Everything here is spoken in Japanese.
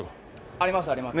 ありますあります。